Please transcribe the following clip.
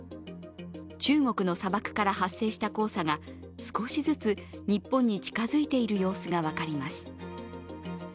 中国の砂漠から発生した黄砂が少しずつ日本に近付いている様子が分かります。